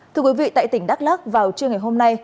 thưa quý vị tại tỉnh đắk lắc vào trưa ngày hôm nay